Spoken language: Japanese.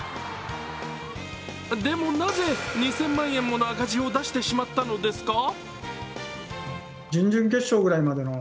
でも、なぜ２０００万円もの赤字を出してしまったのですか？